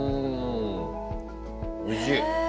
おいしい。